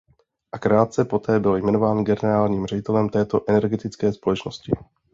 A krátce poté by jmenován generálním ředitelem této energetické společnosti.